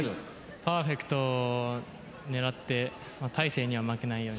パーフェクト狙ってまあ大勢には負けないように。